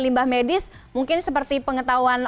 limbah medis mungkin seperti pengetahuan